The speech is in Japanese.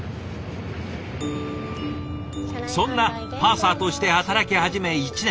そんなパーサーとして働き始め１年。